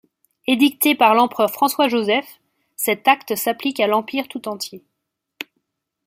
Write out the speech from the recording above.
Édicté par l'Empereur François-Joseph, cet acte s'applique à l'Empire tout entier.